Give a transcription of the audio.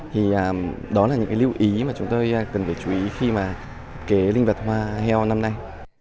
thì đó là những cái lưu ý mà chúng tôi cần phải chú ý khi mà kế linh vật hoa heo năm nay